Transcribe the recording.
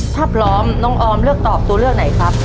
ถ้าพร้อมน้องออมเลือกตอบตัวเลือกไหนครับ